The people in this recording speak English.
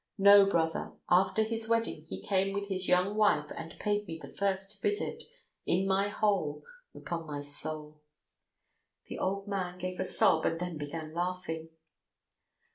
No, brother, after his wedding he came with his young wife and paid me the first visit ... in my hole. ... Upon my soul!" The old man gave a sob and then began laughing.